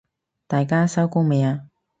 大家收工未啊？